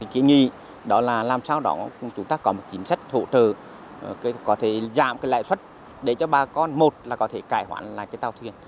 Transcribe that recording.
kỹ nghị là làm sao đó chúng ta có một chính sách hỗ trợ có thể giảm lãi suất để cho bà con một là có thể cải hoán lại tàu thuyền